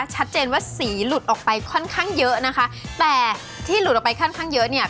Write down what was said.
ชัดเจนว่าสีหลุดออกไปค่อนข้างเยอะนะคะแต่ที่หลุดออกไปค่อนข้างเยอะเนี่ย